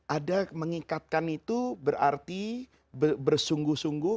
ada mengikatkan itu berarti bersungguh sungguh